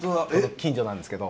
近所なんですけど。